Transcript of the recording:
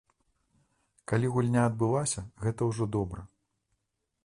Калі гульня адбылася, гэта ўжо добра.